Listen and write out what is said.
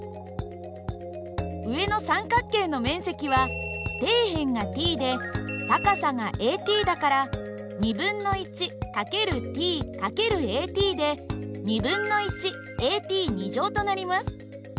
上の三角形の面積は底辺がｔで高さがａｔだから×ｔ×ａｔでａｔとなります。